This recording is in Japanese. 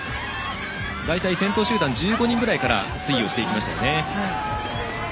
大体、先頭集団１５人ぐらいから推移をしていきました。